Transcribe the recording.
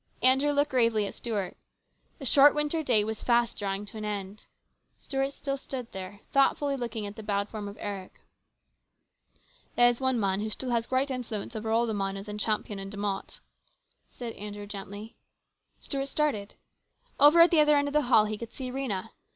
Andrew looked gravely at Stuart. The short winter day was fast drawing to an end. Stuart still stood there, thoughtfully looking at the bowed form of Eric. " There is one man who still has great influence over all the miners in Champion and De Mott," said Andrew gently. Stuart started. Over at the other end of the hall he could see Rhena.